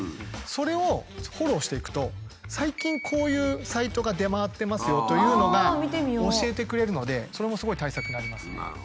それをフォローしていくと最近こういうサイトが出回ってますよというのが教えてくれるのでそれもすごい対策になりますね。